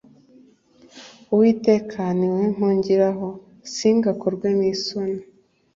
uwiteka ni wowe mpungiraho singakorwe n’isoni